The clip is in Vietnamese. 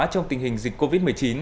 trong tình hình dịch covid một mươi chín